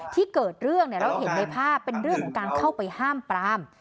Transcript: ที่เกิดเรื่องเราเห็นในภาพเป็นเรื่องของการเข้าไปห้ามปราม